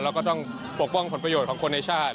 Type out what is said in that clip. แล้วก็ต้องปกป้องผลประโยชน์ของคนในชาติ